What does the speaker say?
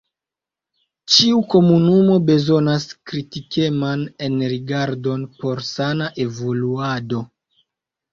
Ĉiu komunumo bezonas kritikeman enrigardon por sana evoluado.